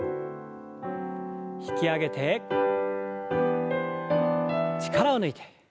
引き上げて力を抜いて。